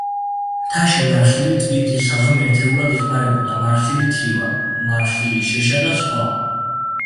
მთაში მარხილი ტვირთის საზომ ერთეულად იხმარებოდა მარხილი თივა, მარხილი შეშა და სხვა.